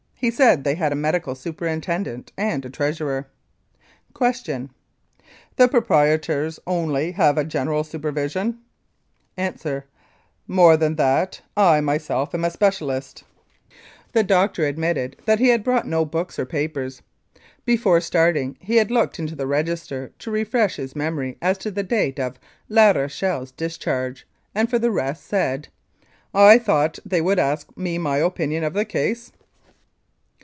He said they had a medical superintendent and a treasurer. Q. The proprietors only have a general supervision ? A. More than that, I, myself, am a specialist. The 215 Mounted Police Life in Canada doctor admitted that he had brought no books or papers. Before starting he had looked into the register to refresh his memory as to the date of La Rochelle's discharge, and for the rest said, "I thought they would ask me my opinion of the case."